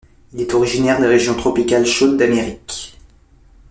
Il est originaire des régions tropicales chaudes d'Amérique.